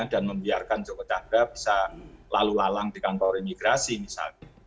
dan membiarkan joko chandra bisa lalu lalang di kantor imigrasi misalnya